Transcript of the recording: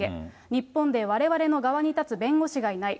日本でわれわれの側に立つ弁護士がいない。